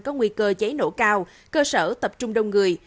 có nguy cơ cháy nổ cao cơ sở tập trung đông người